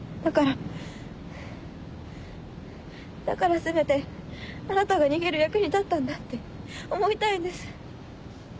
だからせめてあなたが逃げる役に立ったんだって思いたいんです。